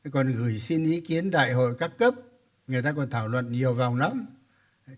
còn gửi xin ý kiến đại hội các cấp người ta còn thảo luận nhiều vòng lắm